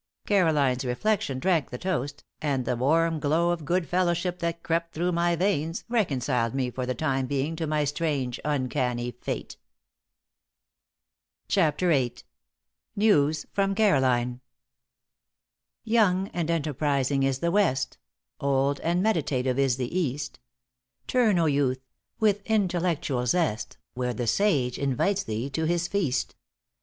Caroline's reflection drank the toast, and the warm glow of good fellowship that crept through my veins reconciled me for the time being to my strange, uncanny fate. *CHAPTER VIII.* *NEWS FROM CAROLINE.* Young and enterprising is the West, Old and meditative is the East. Turn, O youth! with intellectual zest Where the sage invites thee to his feast.